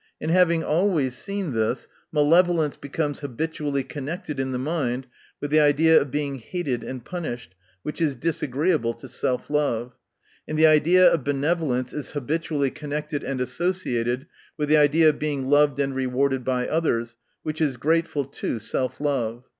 And having always seen this, malevolence becomes habitually connected in the mind with the idea of being hated and punished, which is disagreeable to self love ; and the idea of benevolence is habitually connected and associated with the idea of being loved and rewarded by others, which is grateful to self love.